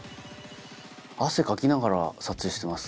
汗かきながら撮影してます。